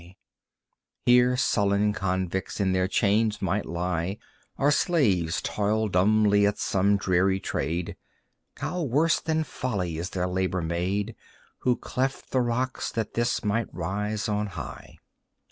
Here sullen convicts in their chains might lie, Or slaves toil dumbly at some dreary trade. How worse than folly is their labor made Who cleft the rocks that this might rise on high!